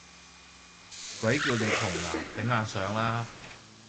鬼叫你窮呀，頂硬上啦！